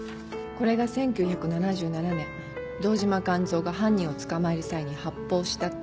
これが１９７７年堂島完三が犯人を捕まえる際に発砲したっていう新聞記事。